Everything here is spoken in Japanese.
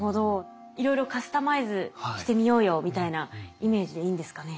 いろいろカスタマイズしてみようよみたいなイメージでいいんですかね？